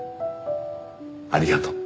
ありがとう。